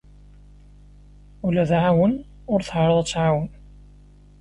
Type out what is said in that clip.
Ula d aɛawen ur teɛriḍ ad tɛawen.